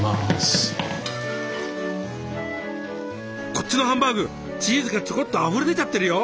こっちのハンバーグチーズがちょこっとあふれ出ちゃってるよ。